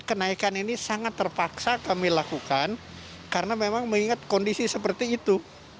kenaikan ini sangat terpaksa kami lakukan karena memang mengingat kondisi seperti itu